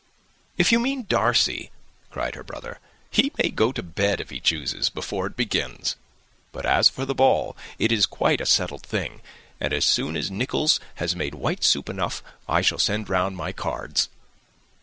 "If you mean Darcy," cried her brother, "he may go to bed, if he chooses, before it begins; but as for the ball, it is quite a settled thing, and as soon as Nicholls has made white soup enough I shall send round my cards."